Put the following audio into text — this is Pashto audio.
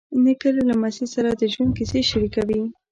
نیکه له لمسي سره د ژوند کیسې شریکوي.